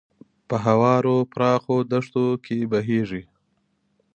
په هوارو پراخو دښتو کې بهیږي.